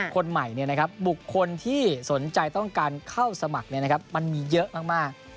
คนใหม่บุคคลที่สนใจต้องการเข้าสมัครมันมีเยอะมาก